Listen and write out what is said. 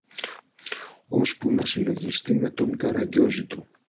ώσπου να συλλογιστεί με τον καραγκιόζη του